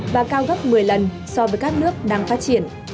và cao gấp một mươi lần so với các nước đang phát triển